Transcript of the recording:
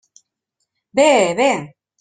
Bé, bé!